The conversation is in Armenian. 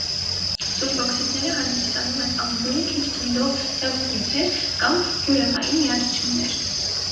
Սուլֆօքսիդները հանդիսանում են անգույն քիչ ցնդող հեղուկ նյութեր կամ բյուրեղային միացություններ։